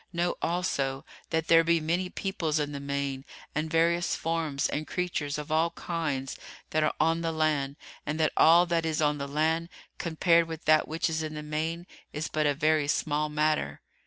Know also that there be many peoples in the main and various forms and creatures of all kinds that are on the land, and that all that is on the land compared with that which is in the main is but a very small matter."